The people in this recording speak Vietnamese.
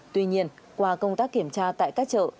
tuy nhiên qua công tác kiểm tra tại các chợ